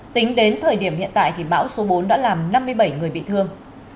tính đến thời điểm hiện tại thì bão số bốn đã làm năm mươi bảy người bị thương